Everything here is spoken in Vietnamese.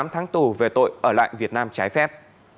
một mươi tám tháng tù về tội ở lại việt nam trái phép